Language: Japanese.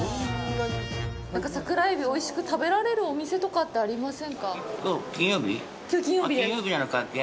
なんか、桜エビをおいしく食べられるお店とかってありませんか？